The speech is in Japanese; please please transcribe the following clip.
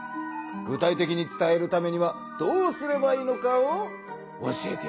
具体的に伝えるためにはどうすればいいのかを教えてやろう。